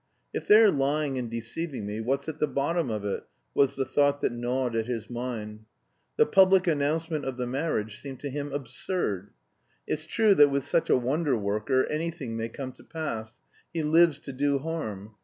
"If they're lying and deceiving me, what's at the bottom of it?" was the thought that gnawed at his mind. The public announcement of the marriage seemed to him absurd. "It's true that with such a wonder worker anything may come to pass; he lives to do harm.